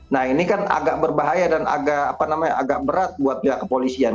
nah ini kan agak berbahaya dan agak berat buat pihak kepolisian